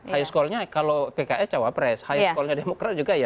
highest call nya kalau pks cawapres highest call nya demokrat juga ya